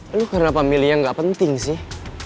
eh lo kenapa milihnya gak penting sih